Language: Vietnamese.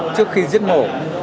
trước khi giết mổ